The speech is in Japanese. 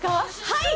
はい！